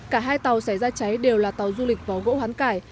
cả hai tàu xảy ra cháy đều là tàu du lịch và gỗ hoán cải